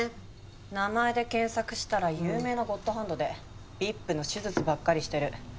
名前で検索したら有名なゴッドハンドでＶＩＰの手術ばっかりしてる。